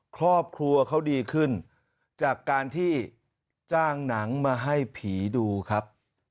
ครอบครัวเขาดีขึ้นจากการที่จ้างหนังมาให้ผีดูครับ